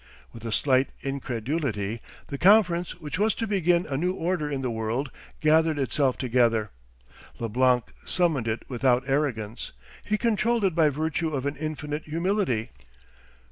With a slight incredulity the conference which was to begin a new order in the world, gathered itself together. Leblanc summoned it without arrogance, he controlled it by virtue of an infinite humility.